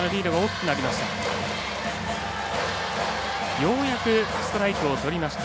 ようやくストライクをとりました。